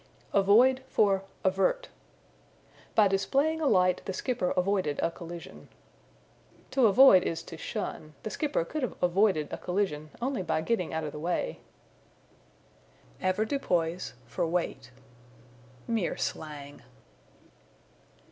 Avoid for Avert. "By displaying a light the skipper avoided a collision." To avoid is to shun; the skipper could have avoided a collision only by getting out of the way. Avoirdupois for Weight. Mere slang.